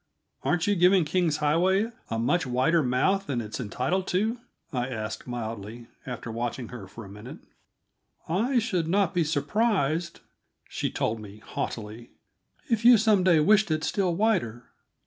"Aren't you giving King's Highway a much wider mouth than it's entitled to?" I asked mildly, after watching her for a minute. "I should not be surprised," she told me haughtily, "if you some day wished it still wider."